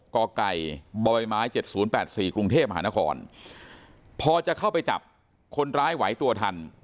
กไก่บไม้๗๐๘๔กรุงเทพมหานครพอจะเข้าไปจับคนร้ายไหวตัวทัน